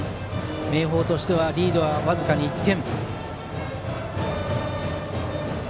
明豊としてはリードは僅かに１点。